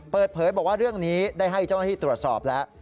เปิดเผยบอกว่าเรื่องนี้ได้ให้เจ้าหน้าที่ตรวจสอบแล้ว